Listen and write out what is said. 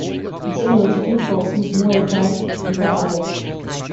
It is similar to kickboxing, Muay Thai, and karate.